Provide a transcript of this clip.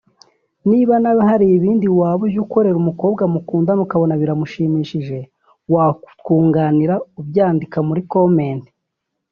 Niba nawe hari ibindi waba ujya ukorera umukobwa mukundana ukabona biramushimishije watwunganira ubyandika muri comment